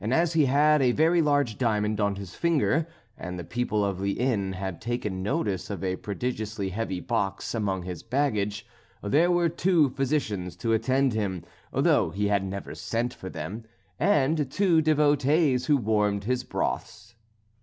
As he had a very large diamond on his finger, and the people of the inn had taken notice of a prodigiously heavy box among his baggage, there were two physicians to attend him, though he had never sent for them, and two devotees who warmed his broths.